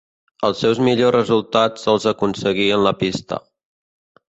Els seus millors resultats els aconseguí en la pista.